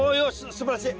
すばらしい。